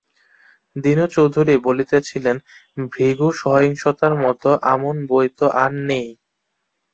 দীনু চৌধুরী বলিতেছিলেন-ভৃগু-সংহিতার মতো আমন বই তো আর নেই!